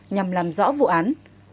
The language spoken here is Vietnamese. nhằm làm rõ vụ án